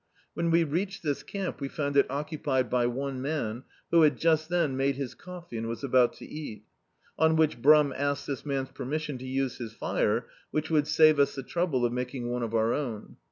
When we reached this camp we found it occupied by one man, who had just then made his coffee and was about to eat On which Brum asked this man's permission to use his fire, which would save us the trouble of making one of our own.